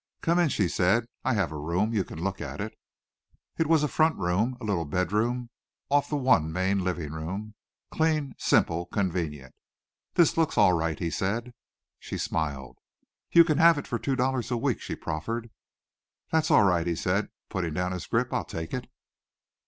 "Come in," she said. "I have a room. You can look at it." It was a front room a little bed room off the one main living room, clean, simple, convenient. "This looks all right," he said. She smiled. "You can have it for two dollars a week," she proffered. "That's all right," he said, putting down his grip. "I'll take it."